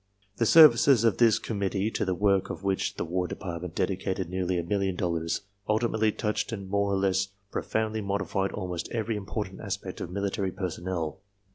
The services of this Commit ^ tee, to the work of which the War Department dedicated nearly a million dollars, ultimately touched and more or less pro foundly modified almost every important aspect of military , personnel.